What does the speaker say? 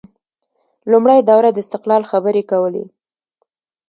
لومړۍ دوره د استقلال خبرې کولې